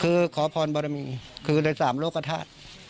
คือขอพรบารมีคือใน๓โรคฐาศ